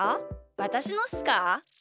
わたしのっすか？